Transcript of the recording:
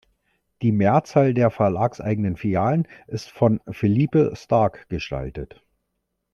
Die Mehrzahl der verlagseigenen Filialen ist von Philippe Starck gestaltet.